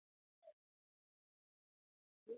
واک د قانوني اصولو پرته بېارزښته دی.